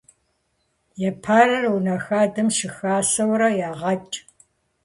Епэрыр унэ хадэм щыхасэурэ ягъэкӏ.